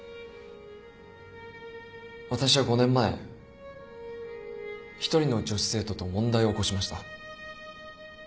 私は５年前一人の女子生徒と問題を起こしました。